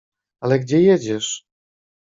"Ale gdzie jedziesz?"